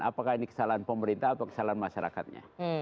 apakah ini kesalahan pemerintah atau kesalahan masyarakatnya